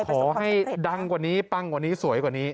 ขอให้ดังกว่านี้ปังกว่านี้สวยกว่านี้